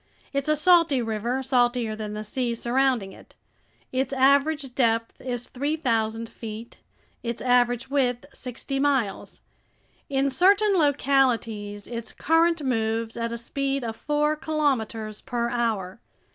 It's a salty river, saltier than the sea surrounding it. Its average depth is 3,000 feet, its average width sixty miles. In certain localities its current moves at a speed of four kilometers per hour.